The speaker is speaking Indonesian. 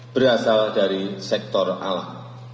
berasal dari sektor alam